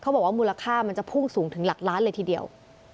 บอกว่ามูลค่ามันจะพุ่งสูงถึงหลักล้านเลยทีเดียว